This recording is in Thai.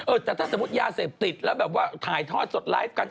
แต่ถ้าสมมุติยาเสพติดแล้วแบบว่าถ่ายทอดสดไลฟ์กัน